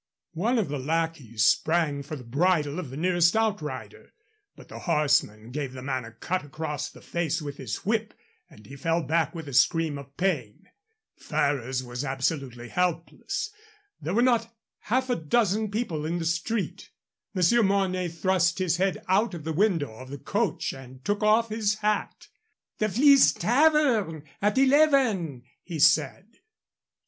One of the lackeys sprang for the bridle of the nearest outrider, but the horseman gave the man a cut across the face with his whip, and he fell back with a scream of pain. Ferrers was absolutely helpless. There were not half a dozen people in the street. Monsieur Mornay thrust his head out of the window of the coach and took off his hat. "The Fleece Tavern at eleven," he said.